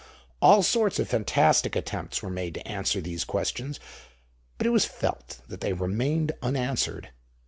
All sorts of fantastic attempts were made to answer these questions; but it was felt that they remained unanswered.